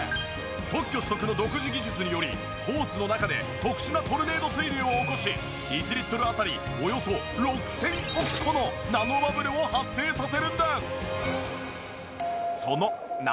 特許取得の独自技術によりホースの中で特殊なトルネード水流を起こし１リットルあたりおよそ６０００億個のナノバブルを発生させるんです！